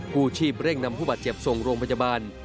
ผู้ชีพเร่งนำผู้บาดเจ็บส่งโรงพยาบาล